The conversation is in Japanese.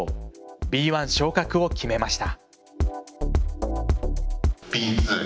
Ｂ１昇格を決めました。